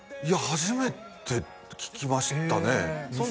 いや初めて聞きましたね